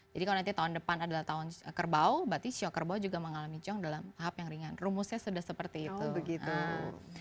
jadi kalau nanti tahun depan adalah tahun kerbau berarti siok kerbau juga mengalami ciong dalam tahap yang ringan rumusnya sudah seperti itu